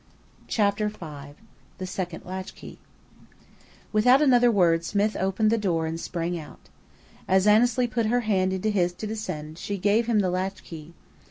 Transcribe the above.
CHAPTER V THE SECOND LATCHKEY Without another word Smith opened the door and sprang out. As Annesley put her hand into his to descend she gave him the latchkey.